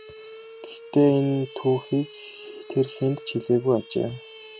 Гэхдээ энэ түүхийг тэр хэнд ч хэлээгүй ажээ.